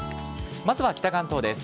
まずは北関東です。